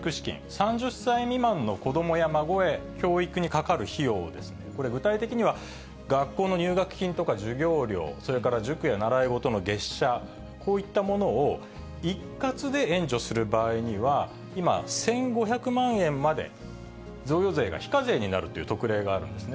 ３０歳未満の子どもや孫へ、教育にかかる費用を、これ、具体的には、学校の入学金とか授業料、それから塾や習い事の月謝、こういったものを一括で援助する場合には、今、１５００万円まで、贈与税が非課税になるという特例があるんですね。